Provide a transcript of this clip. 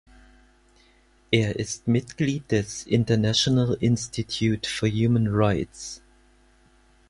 Er ist Mitglied des International Institute for Human Rights.